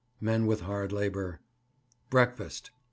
MEN WITH HARD LABOUR. Breakfast.